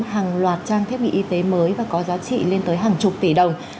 hàng loạt trang thiết bị y tế mới và có giá trị lên tới hàng chục tỷ đồng